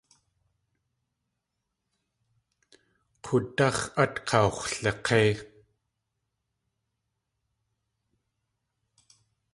K̲údáx̲ at kax̲wlik̲éi.